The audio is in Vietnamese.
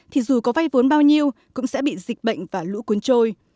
thì dù có vay vốn bao nhiêu cũng sẽ bị dịch bệnh và lũ cuốn trôi